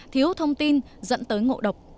thiếu thông tin dẫn tới ngộ độc